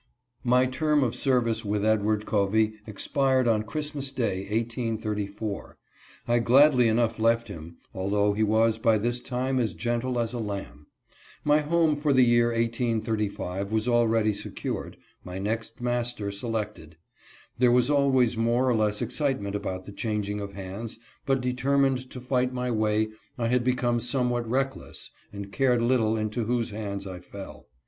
MY term of service with Edward Covey expired on Christmas day, 1834. I gladly enough left him, although he was by this time as gentle as a lamb. My home for the year 1835 was already secured, my next master selected. There was always more or less excite ment about the changing of hands, but determined to fight my way, I had become somewhat reckless and cared little into whose hands I fell.